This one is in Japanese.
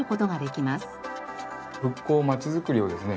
復興まちづくりをですね